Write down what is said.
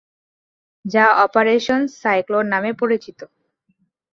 যা operation Cyclone নামে পরিচিত।